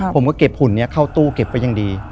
ผมก็เก็บหุ่นนี้เข้าตู้เก็บไว้อย่างดี